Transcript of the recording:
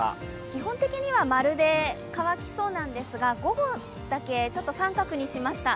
基本的には○で乾きそうなんですが午後だけ△にしました。